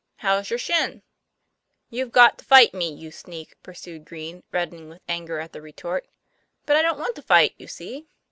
How's your shin ?" "You've got to fight me, you sneak," pursued Green, reddening with anger at the retort. "But I don't want to fight, you see."